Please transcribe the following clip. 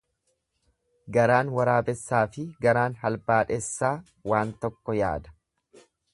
Garaan waraabessaafi garaan halbaadhessaa waan tokko yaada.